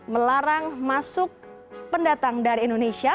melarang masuk pendatang dari indonesia